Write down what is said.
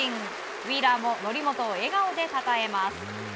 ウィーラーも則本を笑顔でたたえます。